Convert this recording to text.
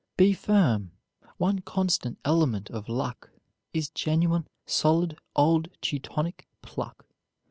'" Be firm; one constant element of luck Is genuine, solid, old Teutonic pluck.